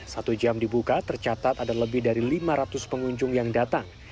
satu jam dibuka tercatat ada lebih dari lima ratus pengunjung yang datang